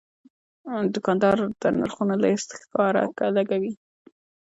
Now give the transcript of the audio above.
دوکاندار د نرخونو لیست ښکاره لګوي.